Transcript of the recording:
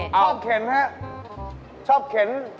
เข็นฮะชอบเข็น